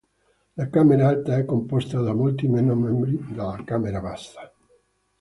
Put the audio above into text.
La camera alta è composta da molti meno membri della camera bassa.